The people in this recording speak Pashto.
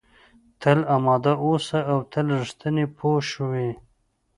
تل اماده اوسه او تل رښتینی پوه شوې!.